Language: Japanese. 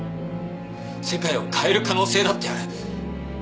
世界を変える可能性だってある。